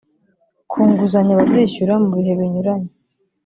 ku nguzanyo bazishyura mu bihe binyuranye